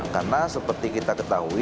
karena seperti kita ketahui